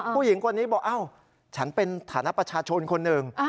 ผู้หญิงคนนี้บอกอ้าวฉันเป็นฐานะประชาชนคนหนึ่ง